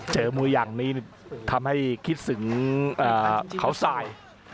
เจอมวยอย่างนี้ทำให้คิดถึงเขาสาย